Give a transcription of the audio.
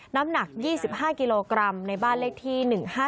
น้ำหนัก๒๕กิโลกรัมในบ้านเลขที่๑๕๗